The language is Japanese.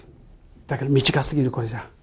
だけど、短すぎる、これじゃ。